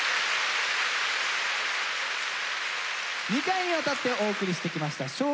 「」２回にわたってお送りしてきました「少クラ」の「秋」。